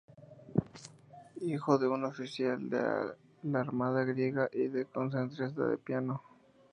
Hijo de un oficial de la armada griega y de una concertista de piano.